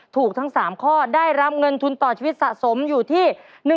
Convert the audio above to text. ถูกทั้ง๓ข้อได้รับเงินทุนต่อชีวิตสะสมอยู่ที่